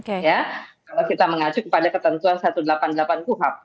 kalau kita mengacu kepada ketentuan satu ratus delapan puluh delapan kuhap